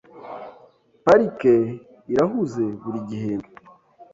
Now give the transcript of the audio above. Parike irahuze buri gihembwe .